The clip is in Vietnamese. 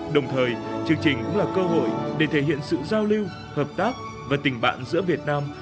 đồng thời chương trình cũng là cơ hội để thể hiện sự giao lưu hợp tác và tình bạn giữa việt nam